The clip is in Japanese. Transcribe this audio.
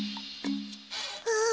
ああ。